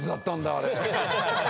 あれ。